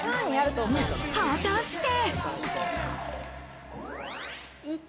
果たして。